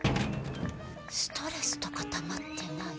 ストレスとかたまってない？